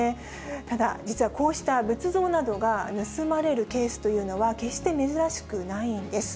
ただ、実はこうした仏像などが盗まれるケースというのは、決して珍しくないんです。